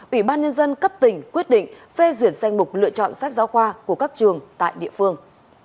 ủy ban nhân dân cấp tỉnh quyết định phê duyệt danh mục lựa chọn sách giáo khoa của các trường tại địa phương